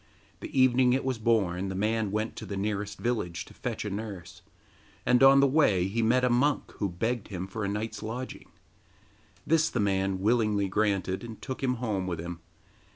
The evening it was born the man went to the nearest village to fetch a nurse, and on the way he met a monk who begged him for a night's lodging. This the man willingly granted, and took him home with him.